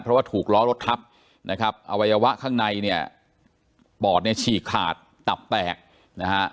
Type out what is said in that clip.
เพราะว่าถูกล้อรถทับนะครับอวัยวะข้างในเนี่ยปอดเนี่ยฉีกขาดตับแตกนะฮะ